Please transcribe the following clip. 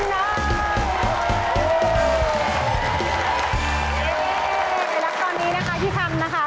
นี่แล้วตอนนี้พี่ค่ำนะคะ